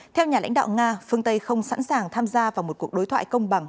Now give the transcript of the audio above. theo nhà lãnh đạo nga phương tây không sẵn sàng tham gia vào một cuộc đối thoại công bằng